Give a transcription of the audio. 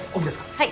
はい！